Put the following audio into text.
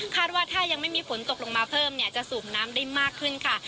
ว่าถ้ายังไม่มีฝนตกลงมาเพิ่มเนี่ยจะสูบน้ำได้มากขึ้นค่ะ